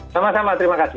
sama sama terima kasih